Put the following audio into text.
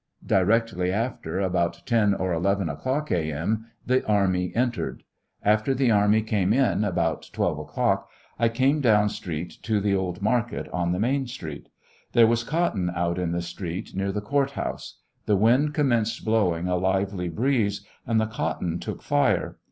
Directly after, about 10 or 11 o'clock, A. M., the army entered. After the army came in, about 12 o'clock, I came down street to the old market, on the main street. Th^re was cotton out in the street near the court house.' The wind com menced blowing a lively breeze, and the cotton took fire.